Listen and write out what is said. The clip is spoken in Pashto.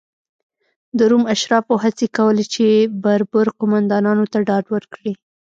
د روم اشرافو هڅې کولې چې بربر قومندانانو ته ډاډ ورکړي.